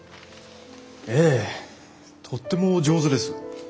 ええとてもお上手です。